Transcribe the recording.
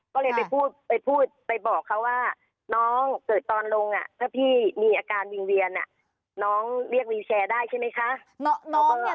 ก็เลยไปพูดไปพูดไปบอกเขาว่าน้องเกิดตอนลงถ้าพี่มีอาการวิงเวียนน้องเรียกวิวแชร์ได้ใช่ไหมคะ